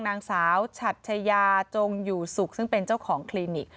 นางสาวฉัดชายาจงอยู่สุขซึ่งเป็นเจ้าของคลินิก